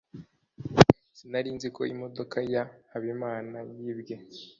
sinari nzi ko imodoka ya habimana yibwe